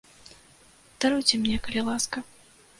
Даруйце мне, калі ласка.